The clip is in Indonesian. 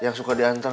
yang suka diantar